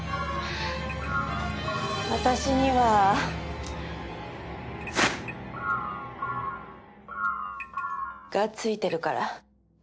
私には。がついてるから。